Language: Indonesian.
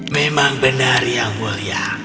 memang benar yang mulia